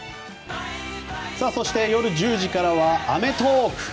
そして、夜１０時からは「アメトーーク！」。